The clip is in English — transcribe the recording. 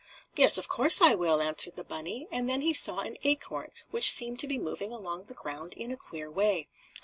"Yes, of course, I will!" answered the bunny, and then he saw an acorn which seemed to be moving along the ground in a queer way.